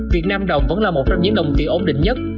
việt nam đồng vẫn là một trong những đồng tiền ổn định nhất